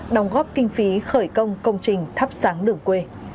đóng góp kinh phí khởi công công trình thắp sáng đường quê